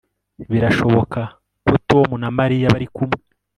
Birashoboka ko Tom na Mariya bari kumwe